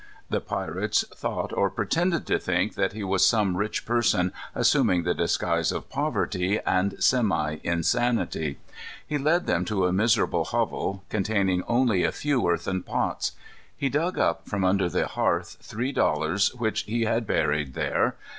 The pirates thought, or pretended to think, that he was some rich person assuming the disguise of poverty and semi insanity. He led them to a miserable hovel containing only a few earthern pots. He dug up, from under the hearth, three dollars which he had buried there.